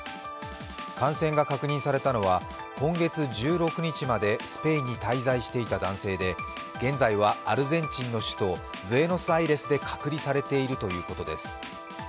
感染が確認されたのは今月１６日までスペインに滞在していた男性で現在はアルゼンチンの首都ブエノスアイレスで隔離されているということです。